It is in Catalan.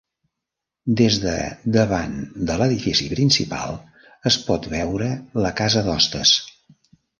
Des de davant de l'edifici principal es pot veure la casa d'hostes.